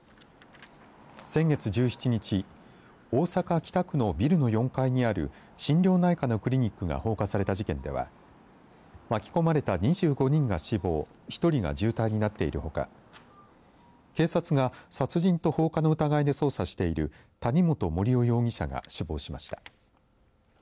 先月１７日大阪、北区のビルの４階にある心療内科のクリニックが放火された事件では巻き込まれた２５人が死亡１人が重体になっているほか警察が、殺人と放火の疑いで捜査している谷本盛雄容疑者が死亡しました。